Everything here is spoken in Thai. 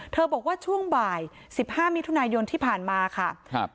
บอกว่าช่วงบ่าย๑๕มิถุนายนที่ผ่านมาค่ะครับ